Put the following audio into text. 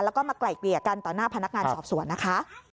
แล้วก็มาไกล่เกลี่ยกันต่อหน้าพนักงานสอบสวนนะคะ